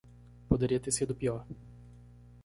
Poderia ter sido pior.